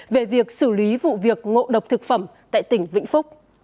về việc xử lý vụ việc ngộ độc thực phẩm tại tỉnh vĩnh phúc